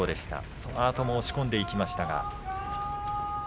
そのあとも押し込んでいきましたが。